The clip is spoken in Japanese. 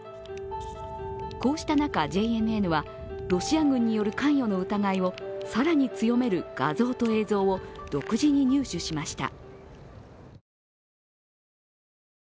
こうした中、ＪＮＮはロシア軍による関与の疑いを更に強める画像と映像を独自に入手しました。